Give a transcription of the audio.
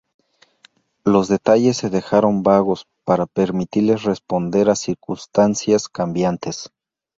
Los detalles se dejaron vagos para permitirles responder a circunstancias cambiantes.